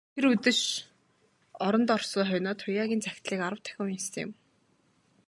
Тэр үдэш оронд орсон хойноо Туяагийн захидлыг арав дахин уншсан юм.